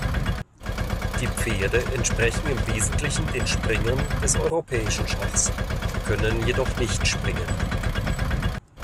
Die Pferde entsprechen im Wesentlichen den Springern des europäischen Schachs, können jedoch nicht springen.